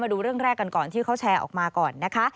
ดูเรื่องแรกกันก่อนที่เขาแชร์ออกมาก่อนนะคะ